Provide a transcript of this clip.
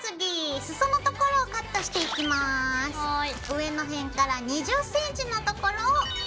上の辺から２０ｃｍのところを取ります。